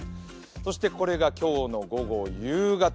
これが今日の午後、夕方。